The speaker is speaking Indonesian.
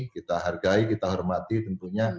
kita hargai kita hormati tentunya